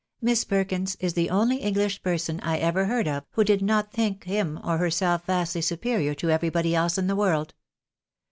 Miss Perkins is the only English person I ever heard of, who did not think him or her self vastly superior to everybody else in the world.